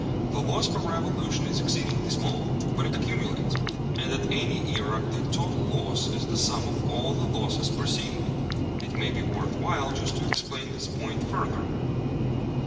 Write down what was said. The loss per revolution is exceedingly small, but it accumulates, and at any era the total loss is the sum of all the losses preceding it. It may be worth while just to explain this point further.